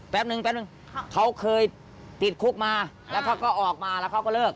แป๊บนึงแป๊บนึงเขาเคยติดคุกมาแล้วเขาก็ออกมาแล้วเขาก็เลิก